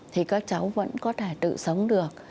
thì các cháu vẫn có thể tự sống được